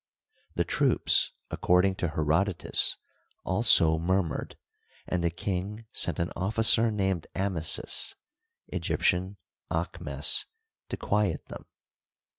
The troops, according to Herodotus, also murmured, and the king sent an officer named Amasis (Egyptian, Aahmes) to quiet them.